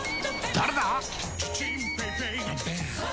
誰だ！